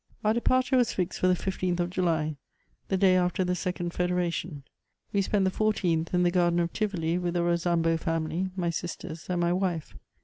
Our departure was fixed for the 15th of July, the day after the second federation. We spent the 14th in the garden of Tivoli, with the Bosambo family, my sisters, and my wife.